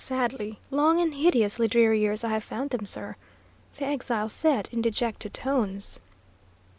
"Sadly long and hideously dreary years I have found them, sir," the exile said, in dejected tones.